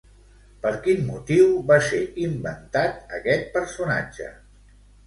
Per quin motiu va ser inventat aquest personatge?